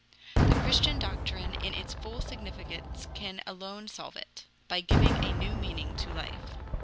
The Christian doctrine in its full significance can alone solve it, by giving a new meaning to life.